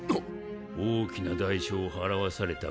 大きな代償を払わされたがな。